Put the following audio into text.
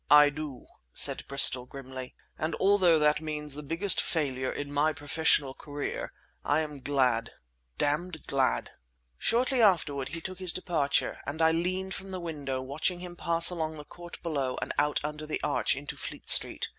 "I do!" said Bristol grimly, "and although that means the biggest failure in my professional career, I am glad—damned glad!" Shortly afterward he took his departure; and I leaned from the window, watching him pass along the court below and out under the arch into Fleet Street.